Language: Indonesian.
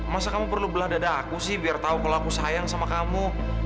masa kamu perlu belah dada aku sih biar tahu belaku sayang sama kamu